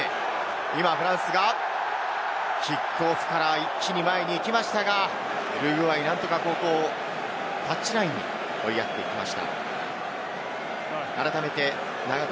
今フランスがキックオフから一気に前に行きましたが、ウルグアイなんとか、ここはタッチラインに追いやっていきました。